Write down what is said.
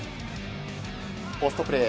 ポストプレー